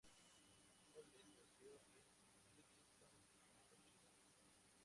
Holmes nació en Lexington, Massachusetts.